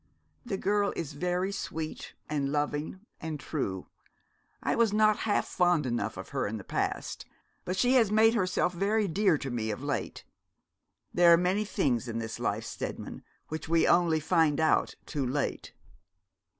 The girl is very sweet, and loving, and true. I was not half fond enough of her in the past; but she has made herself very dear to me of late. There are many things in this life, Steadman, which we only find out too late.'